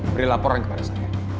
beri laporan kepada saya